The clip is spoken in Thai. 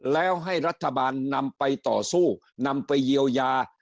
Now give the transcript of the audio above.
แล้วให้รัฐบาลนำไปต่อสู้นำไปเยียวยา